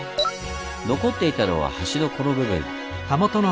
残っていたのは橋のこの部分。